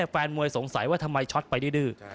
แฟนมวยสงสัยว่าทำไมช็อตไปดื้อ